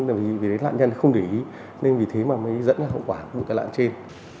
nên vì thế lạn nhân không để ý nên vì thế mới dẫn ra hậu quả của cái lạn trên